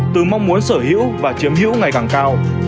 từ mong muốn sở hữu và chiếm hữu ngày càng cao